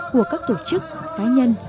của các tổ chức cá nhân